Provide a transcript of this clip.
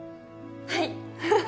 はい